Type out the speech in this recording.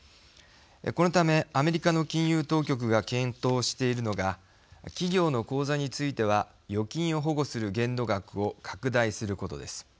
このため、アメリカの金融当局が検討しているのが企業の口座については預金を保護する限度額を拡大することです。